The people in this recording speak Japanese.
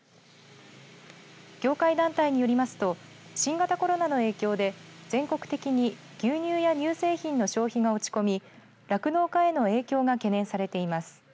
業界団体によりますと新型コロナの影響で全国的に牛乳や乳製品の消費が落ち込み酪農家への影響が懸念されています。